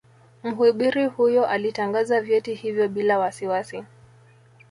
Mhubiri huyo alitangaza vyeti hivyo bila wasiwasi